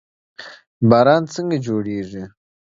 باران څنګه جوړیږي؟